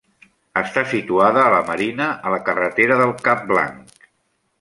Està situada a la Marina, a la carretera del Cap Blanc.